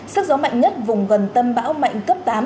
sức gió mạnh nhất vùng gần tâm bão mạnh cấp tám